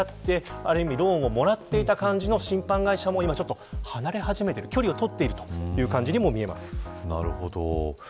つまり、今まではお金を支払ってローンをもらっていた感じの信販会社も離れ始めている距離を取っているという感じにも見えます。